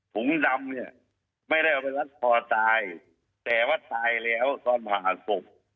ถุงดำเนี่ยไม่ได้เอาไปรัดคอตายแต่ว่าตายแล้วตอนผ่าหักศพ